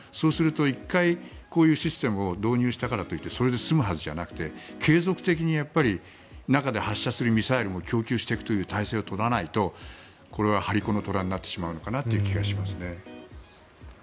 １回、こういうシステムを導入したからと言ってそれで済むはずじゃなくて継続的に中で発射するミサイルも供給していくという体制を取らないとこれは張り子の虎になってしまう気がします。